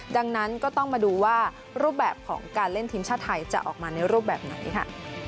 ดังนั้นก็ต้องมาดูว่ารูปแบบของการเล่นทีมชาติไทยจะออกมาในรูปแบบไหนค่ะ